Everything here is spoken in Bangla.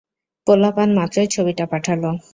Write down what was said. পোলাপান মাত্রই ছবিটা পাঠালো।